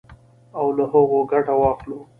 او له هغو ګټه واخلو.